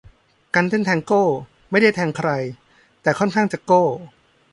การเต้นแทงโก้ ไม่ได้แทงใคร แต่ค่อนข้างจะโก้